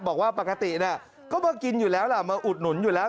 บอกว่าปกติก็มากินอยู่แล้วล่ะมาอุดหนุนอยู่แล้ว